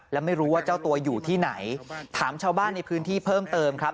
และไม่รู้ว่าเจ้าตัวอยู่ที่ไหนถามชาวบ้านในพื้นที่เพิ่มเติมครับ